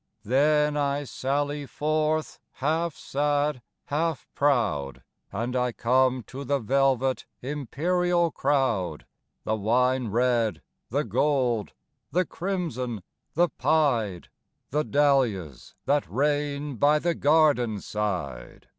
Then, I sally forth, half sad, half proud, And I come to the velvet, imperial crowd, The wine red, the gold, the crimson, the pied,—The dahlias that reign by the garden side.